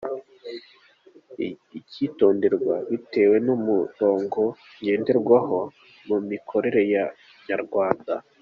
Icyitonderwa: Bitewe n’umurongo ngenderwaho mu mikorere ya Inyarwanda.